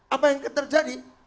apa yang terjadi